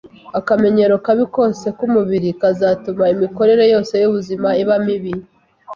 Akamenyero kabi kose k’umubiri kazatuma imikorere yose y’ubuzima iba mibi